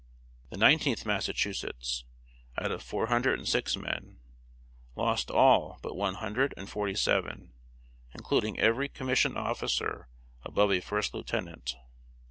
The Nineteenth Massachusetts, out of four hundred and six men, lost all but one hundred and forty seven, including every commissioned officer above a first lieutenant.